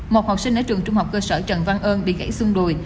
một học sinh ở trường trung học cơ sở trần văn ơn bị gãy xương đùi